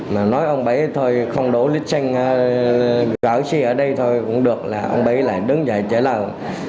mà nói ông bảy thôi không đổ lịch sinh gỡ xe ở đây thôi cũng được là ông bảy lại đứng dậy trả lao